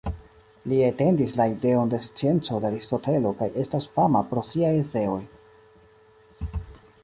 Li etendis la ideon de scienco de Aristotelo kaj estas fama pro siaj eseoj.